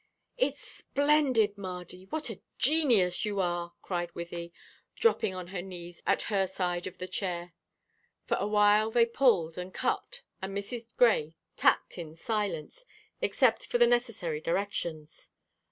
"It's splendid, Mardy; what a genius you are!" cried Wythie, dropping on her knees at her side of the chair. For a while they pulled and cut, and Mrs. Grey tacked in silence, except for the necessary directions.